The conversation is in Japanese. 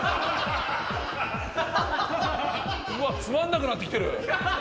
うわっつまんなくなってきてるどんどん。